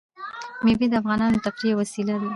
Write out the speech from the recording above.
مېوې د افغانانو د تفریح یوه وسیله ده.